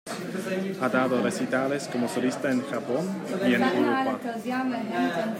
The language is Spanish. Ha dado recitales como solista en Japón y en Europa.